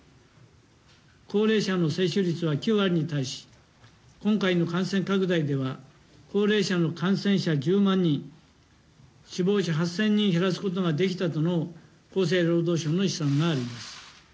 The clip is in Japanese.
高齢者の接種率は９割に達し、今回の感染拡大では高齢者の感染者１０万人死亡者８０００人、減らすことができたとの厚生労働省の試算があります。